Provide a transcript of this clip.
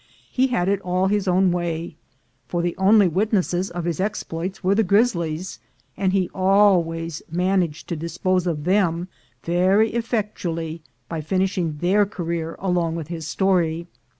He had it all his own way, for the only witnesses of his exploits were the grizzlies, and he alwaj^s managed to dispose of them very effectually by finishing their career along with his story.